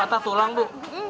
patah tulang bu